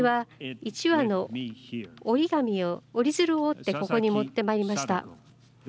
本日、私は１羽の折り鶴を折ってここに持ってまいりました。